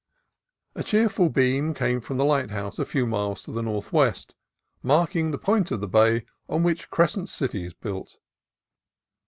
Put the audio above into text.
A cheerful beam came from a lighthouse a few miles to the northwest, marking the point of the bay on which Crescent City is built.